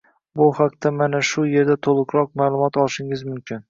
Bu haqda mana bu yerda toʻliqroq maʼlumot olishingiz mumkin.